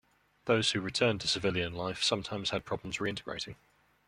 Those who returned to civilian life sometimes had problems re-integrating.